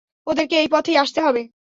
ওদেরকে এই পথেই আসতে হবে।